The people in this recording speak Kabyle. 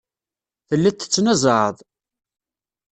Telliḍ tettnazaɛeḍ.